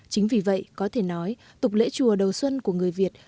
chính vì vậy có thể nói tục lễ chùa đầu xuân của người việt